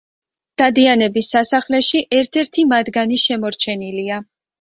დადიანების სასახლეში ერთ-ერთი მათგანი შემორჩენილია.